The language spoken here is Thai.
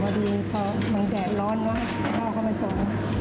บางดีเขาเหมือนแก่ร้อนนะพาเขามาสอน